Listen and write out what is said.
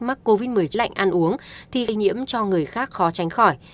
các covid một mươi chín lạnh ăn uống thì gây nhiễm cho người khác khó tránh khỏi